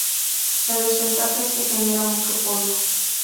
La desventaja es que genera mucho polvo.